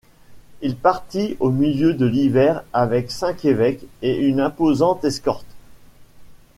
Il partit au milieu de l'hiver avec cinq évêques et une imposante escorte.